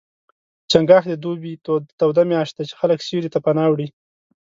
چنګاښ د دوبي توده میاشت ده، چې خلک سیوري ته پناه وړي.